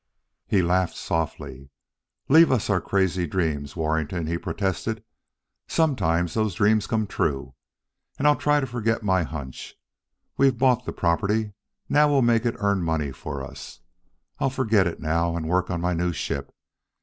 He laughed softly. "Leave us our crazy dreams, Warrington," he protested; "sometimes those dreams come true.... And I'll try to forget my hunch. We've bought the property; now we'll make it earn money for us. I'll forget it now, and work on my new ship.